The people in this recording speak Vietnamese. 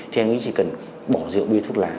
thì anh ấy chỉ cần bỏ rượu bia thuốc lá